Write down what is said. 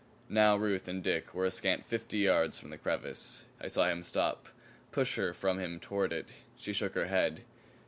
Now Ruth and Dick were a scant fifty yards from the crevice. I saw him stop, push her from him toward it. She shook her head.